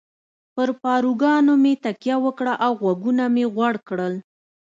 پر پاروګانو مې تکیه وکړه او غوږونه مې غوړ کړل.